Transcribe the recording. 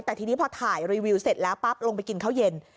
แต่ทีนี้พอถ่ายรีวิวเสร็จแล้วปั๊บลงไปกินข้าวเย็น